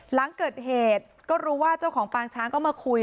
หลังเกิดเหตุก็รู้ว่าเจ้าของปางช้างก็มาคุย